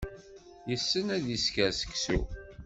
Yessen ad isker seksu.